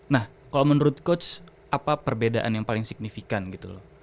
nah kalau menurut coach apa perbedaan yang paling signifikan gitu loh